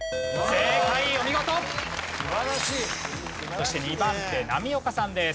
そして２番手波岡さんです。